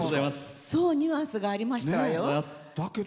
そうニュアンスがありましたわよ。